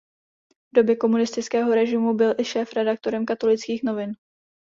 V době komunistického režimu byl i šéfredaktorem "Katolických novin".